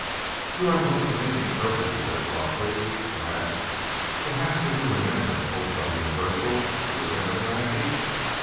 "You are the most amazing person!" he said softly. "Perhaps, as you were never at the Hotel Universal, you were never in Rakney?